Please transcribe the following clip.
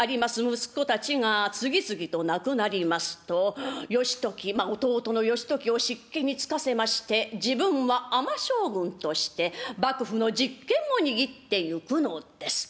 息子たちが次々と亡くなりますと弟の義時を執権に就かせまして自分は尼将軍として幕府の実権を握ってゆくのです。